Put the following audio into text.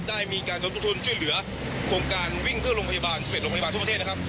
ได้มีการสมทุทุนช่วยเหลือโครงการวิ่งเครื่องโรงยามาลทุ่มประเทศนะครับ